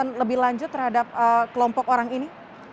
pemeriksaan lebih lanjut terhadap kelompok orang ini